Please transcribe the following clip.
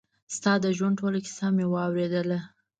ستا د ژوند ټوله کيسه مې واورېدله.